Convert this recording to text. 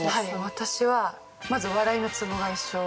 私はまず笑いのツボが一緒。